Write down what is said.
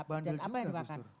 tapi jangan apa yang dimakan